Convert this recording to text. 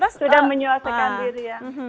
sudah menyesuaikan diri ya